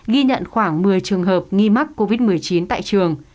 ghi nhận khoảng một mươi trường hợp nghi mắc covid một mươi chín tại trường